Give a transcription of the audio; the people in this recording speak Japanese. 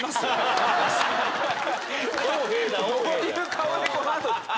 どういう顔でこのあと。